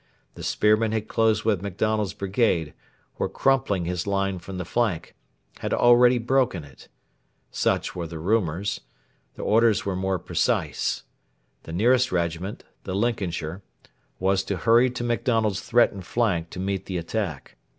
The spearmen had closed with MacDonald's brigade; were crumpling his line from the flank; had already broken it. Such were the rumours. The orders were more precise. The nearest regiment the Lincolnshire was to hurry to MacDonald's threatened flank to meet the attack.